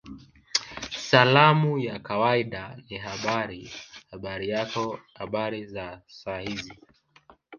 Salamu ya kawaida ni Habari Habari yako Habari za saa hizi